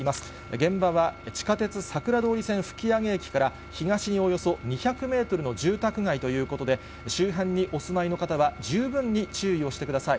現場は地下鉄桜通線ふきあげ駅から、東におよそ２００メートルの住宅街ということで、周辺にお住まいの方は十分に注意をしてください。